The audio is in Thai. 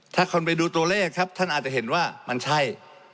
ถ้าคนไปดูตัวเลขครับท่านอาจจะเห็นว่ามันใช่